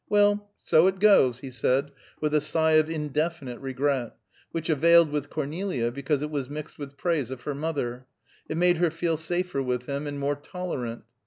Well, so it goes," he said, with a sigh of indefinite regret, which availed with Cornelia because it was mixed with praise of her mother; it made her feel safer with him and more tolerant.